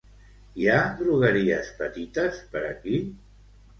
Hi ha drogueries petites per aquí?